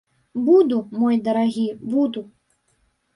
Буду, мой дарагі, буду.